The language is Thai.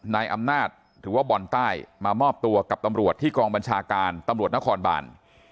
นายอำนาจหรือว่าบอลใต้มามอบตัวกับตำรวจที่กองบัญชาการตำรวจนครบาน